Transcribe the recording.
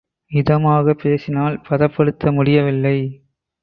இதமாகப் பேசினாள் பதப்படுத்த முடியவில்லை.